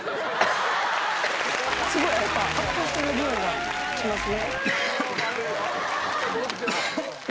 すごい、やっぱ発酵してるにおいがしますね。